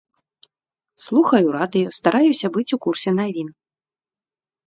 Слухаю радыё, стараюся быць у курсе навін.